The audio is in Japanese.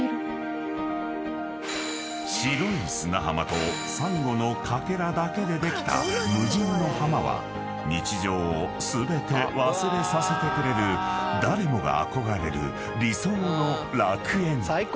［白い砂浜とサンゴのかけらだけでできた無人の浜は日常を全て忘れさせてくれる誰もが憧れる理想の楽園］